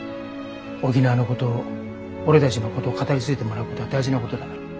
沖縄のこと俺たちのことを語り継いでもらうことは大事なことだから。